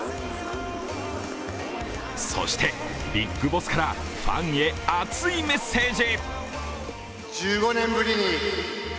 そして、ビッグボスからファンへ熱いメッセージ。